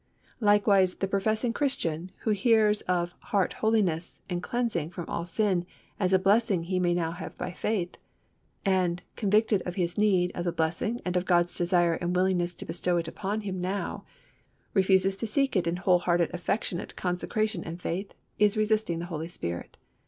Likewise the professing Christian who hears of heart holiness and cleansing from all sin as a blessing he may now have by faith, and, convicted of his need of the blessing and of God's desire and willingness to bestow it upon him now, refuses to seek it in whole hearted affectionate consecration and faith, is resisting the Holy Spirit.